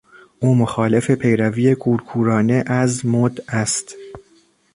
او مخالف پیروی کورکورانه از مد است.